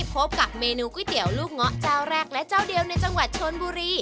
พบกับเมนูก๋วยเตี๋ยวลูกเงาะเจ้าแรกและเจ้าเดียวในจังหวัดชนบุรี